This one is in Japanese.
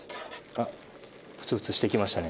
あっふつふつしてきましたね。